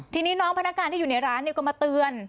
ทีนี้น้องพนักงานที่อยู่ในร้านก็มาเตือน